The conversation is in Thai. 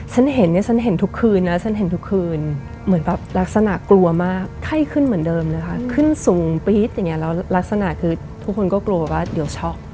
ฉันเห็นเนี่ยฉันเห็นทุกคืนนะฉันเห็นทุกคืนเหมือนแบบลักษณะกลัวมากไข้ขึ้นเหมือนเดิมเลยค่ะขึ้นสูงปี๊ดอย่างเงี้แล้วลักษณะคือทุกคนก็กลัวว่าเดี๋ยวช็อก